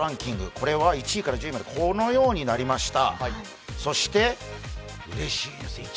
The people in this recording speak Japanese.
これは１位から１０位まで、このようになりました。